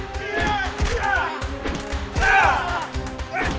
terima kasih pak